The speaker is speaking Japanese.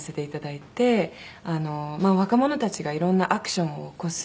まあ若者たちがいろんなアクションを起こす。